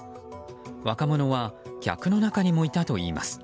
若者は客の中にもいたといいます。